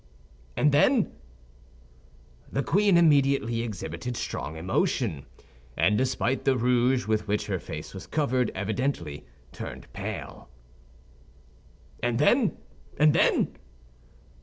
"And then?" "The queen immediately exhibited strong emotion; and despite the rouge with which her face was covered evidently turned pale—" "And then, and then?"